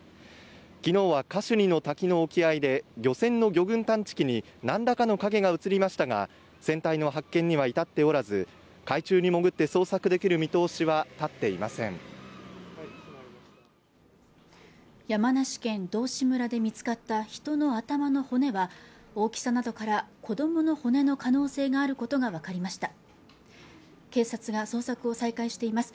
昨日はカシュニの滝の沖合で漁船の魚群探知機に何らかの影が映りましたが船体の発見には至っておらず海中に潜って捜索できる見通しは立っていません山梨県道志村で見つかった人の頭の骨は大きさなどから子どもの骨の可能性があることが分かりました警察が捜索を再開しています